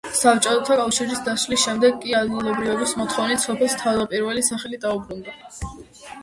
საბჭოთა კავშირის დაშლის შემდეგ კი, ადგილობრივების მოთხოვნით, სოფელს თავდაპირველი სახელი დაუბრუნდა.